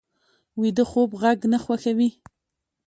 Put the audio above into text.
ویده خوب غږ نه خوښوي